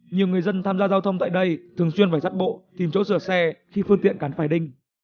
nhiều người dân tham gia giao thông tại đây thường xuyên phải sát bộ tìm chỗ sửa xe khi phương tiện cản phải đinh